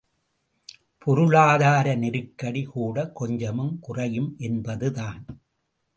பொருளாதார நெருக்கடி கூடக் கொஞ்சம் குறையும் என்பது தான்.